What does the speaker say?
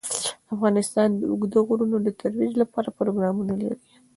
افغانستان د اوږده غرونه د ترویج لپاره پروګرامونه لري.